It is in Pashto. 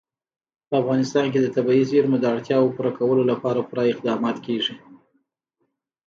په افغانستان کې د طبیعي زیرمو د اړتیاوو پوره کولو لپاره پوره اقدامات کېږي.